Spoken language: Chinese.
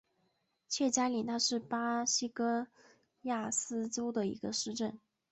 切扎里娜是巴西戈亚斯州的一个市镇。